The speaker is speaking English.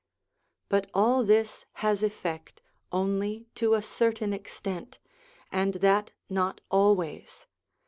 But all this has effect only to a certain extent, and that not always.